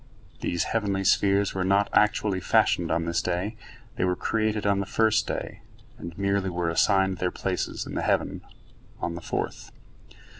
These heavenly spheres were not actually fashioned on this day; they were created on the first day, and merely were assigned their places in the heavens on the fourth.